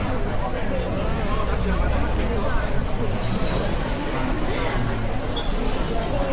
อืม